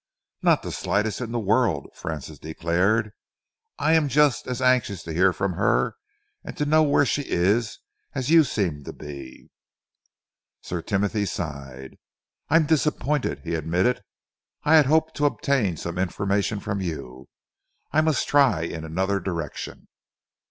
"Not the slightest in the world," Francis declared. "I am just as anxious to hear from her; and to know where she is, as you seem to be." Sir Timothy sighed. "I am disappointed," he admitted. "I had hoped to obtain some information from you. I must try in another direction."